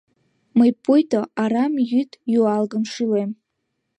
Мый пуйто арам йӱд-юалгым шӱлем